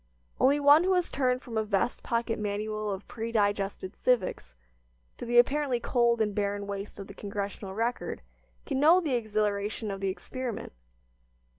Only one who has turned from a vest pocket manual of predigested "civics" to the apparently cold and barren waste of the "Congressional Record" can know the exhilaration of the experiment.